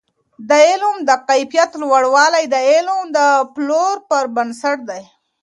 د علم د کیفیت لوړوالی د علم د پلور پر بنسټ دی.